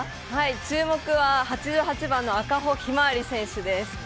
注目は８８番の赤穂ひまわり選手です。